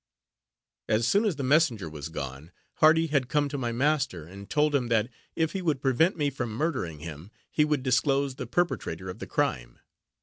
As soon as the messenger was gone, Hardy had come to my master, and told him that if he would prevent me from murdering him, he would disclose the perpetrator of the crime.